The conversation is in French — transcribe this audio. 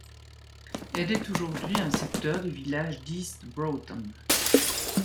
Elle est aujourd'hui un secteur du village d'East Broughton.